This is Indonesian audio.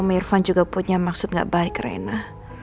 mirvan juga punya maksud gak baik rena